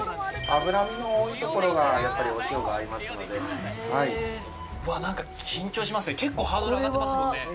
脂身の多いところはやっぱりお塩が合いますのでわなんか緊張しますね結構ハードル上がってますもんね